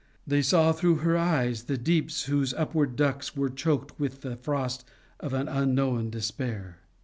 They saw through her eyes the deeps whose upward ducts were choked with the frost of an unknown despair.